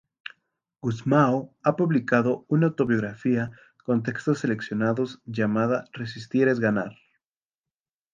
Gusmão ha publicado una autobiografía con textos seleccionados llamada "Resistir es ganar".